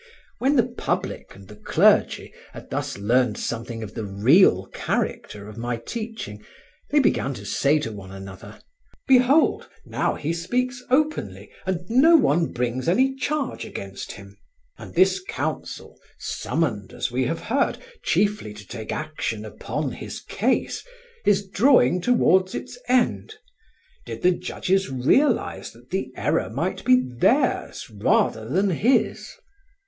When the public and the clergy had thus learned something of the real character of my teaching, they began to say to one another: "Behold, now he speaks openly, and no one brings any charge against him. And this council, summoned, as we have heard, chiefly to take action upon his case, is drawing toward its end. Did the judges realize that the error might be theirs rather than his?"